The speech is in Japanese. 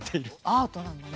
アートなんだね。